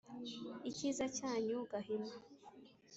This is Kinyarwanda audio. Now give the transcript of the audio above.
Icyiza cyanyu Gahima